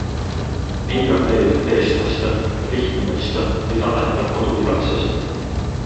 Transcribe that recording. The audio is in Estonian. Nii on meil, eestlastel, lihtne mõista, mida tähendab koduigatsus.